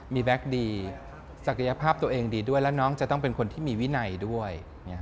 มีแบ็คดีศักยภาพตัวเองดีด้วยและน้องจะต้องเป็นคนที่มีวินัยด้วย